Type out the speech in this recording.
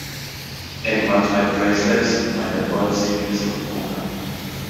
Er gewann drei Bracelets bei der "World Series of Poker".